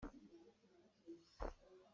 Nan anṭam an hno taktak.